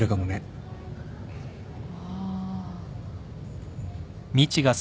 ああ。